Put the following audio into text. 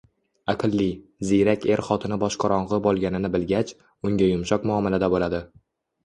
Aqlli, ziyrak er xotini boshqorong‘i bo‘lganini bilgach, unga yumshoq muomalada bo‘ladi